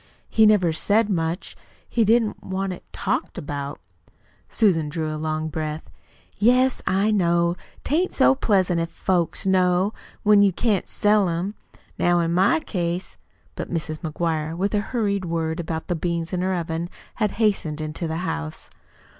"He never said much. He didn't want it talked about." Susan drew a long breath. "Yes, I know. 'Tain't so pleasant if folks know when you can't sell 'em. Now in my case " But Mrs. McGuire, with a hurried word about the beans in her oven, had hastened into the house.